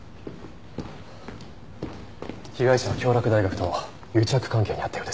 被害者は京洛大学と癒着関係にあったようです。